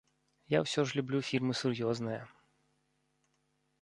Я ўсё ж люблю фільмы сур'ёзныя.